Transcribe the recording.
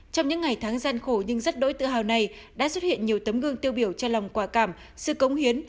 trong những ngày tháng gian khổ nhưng rất đỗi tự hào này đã xuất hiện nhiều tấm gương tiêu biểu cho lòng quả cảm sự cống hiến